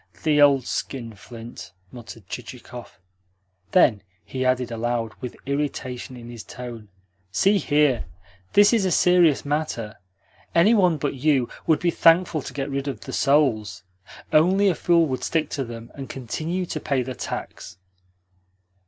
"The old skinflint!" muttered Chichikov. Then he added aloud, with irritation in his tone: "See here. This is a serious matter. Any one but you would be thankful to get rid of the souls. Only a fool would stick to them, and continue to pay the tax."